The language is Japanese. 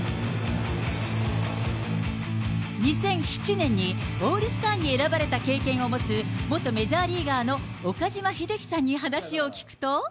２００７年に、オールスターに選ばれた経験を持つ元メジャーリーガーの岡島秀樹